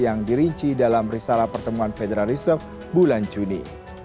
yang dirinci dalam risalah pertemuan federal reserve bulan juni